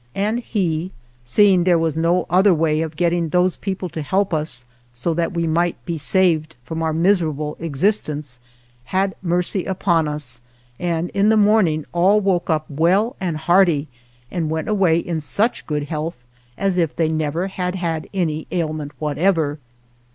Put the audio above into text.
And He, seeing there was no other way of getting those people to help us so that we might be saved from our miserable existence, had mercy upon us, and in the morning all woke up well and hearty and went away in such good health as if they never had had any 104 ALVAR NUNEZ CABEZA DE VACA ailment whatever.